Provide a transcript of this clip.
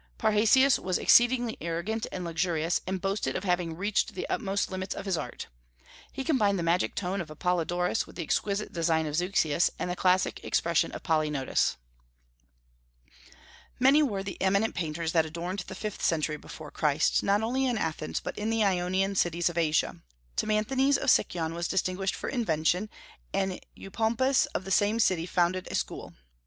Parrhasius was exceedingly arrogant and luxurious, and boasted of having reached the utmost limits of his art. He combined the magic tone of Apollodorus with the exquisite design of Zeuxis and the classic expression of Polygnotus. Many were the eminent painters that adorned the fifth century before Christ, not only in Athens, but in the Ionian cities of Asia. Timanthes of Sicyon was distinguished for invention, and Eupompus of the same city founded a school.